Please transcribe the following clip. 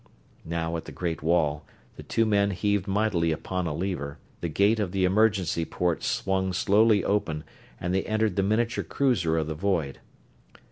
Now at the great wall, the two men heaved mightily upon a lever, the gate of the emergency port swung slowly open, and they entered the miniature cruiser of the void.